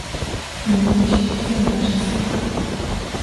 Не мог щадить он нашей славы